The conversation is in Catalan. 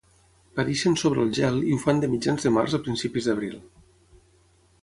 Pareixen sobre el gel i ho fan de mitjans de març a principis d'abril.